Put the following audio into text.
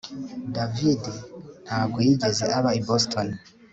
David ntabwo yigeze aba i Boston